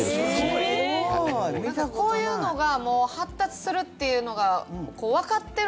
こういうのが発達するっていうのがわかってるから。